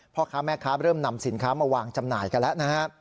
พ่อค้าแม่ค้าเริ่มนำสินค้ามาวางจำหน่ายกันแล้วนะฮะ